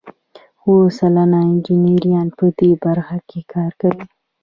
اوه سلنه انجینران په دې برخه کې کار کوي.